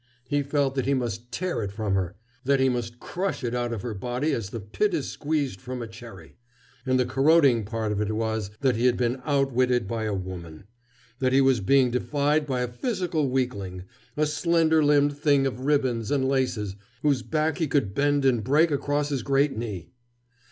He felt that he must tear it from her, that he must crush it out of her body as the pit is squeezed from a cherry. And the corroding part of it was that he had been outwitted by a woman, that he was being defied by a physical weakling, a slender limbed thing of ribbons and laces whose back he could bend and break across his great knee.